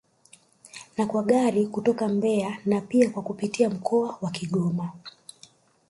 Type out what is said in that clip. Na kwa Gari kutoka Mbeya na pia kwa kupitia mkoa wa Kigoma